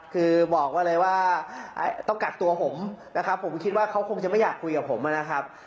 คือบอกไว้เลยว่าต้องกักตัวผมนะครับผมคิดว่าเขาคงจะไม่อยากคุยกับผมนะครับ